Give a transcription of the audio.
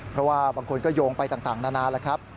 เพราะว่าบางคนก็โยงไปต่างนานาแล้วครับ